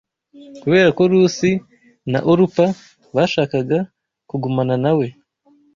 Kubera ko Rusi na Orupa bashakaga kugumana na we